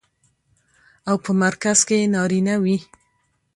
او په مرکز کې يې نارينه وي.